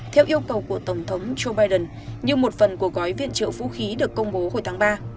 theo yêu cầu của tổng thống joe biden như một phần của gói viện trợ vũ khí được công bố hồi tháng ba